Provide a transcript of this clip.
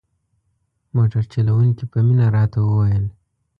موټر چلوونکي په مینه راته وویل.